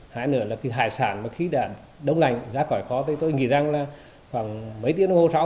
hai nữa là cái hải sản mà khi đã đông lành ra khỏi khó thì tôi nghĩ rằng là khoảng mấy tiếng đồng hồ sáu